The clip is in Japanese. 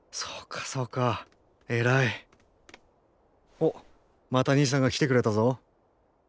おっまた兄さんが来てくれたぞ。